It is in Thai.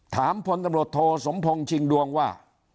พลตำรวจโทสมพงศ์ชิงดวงว่า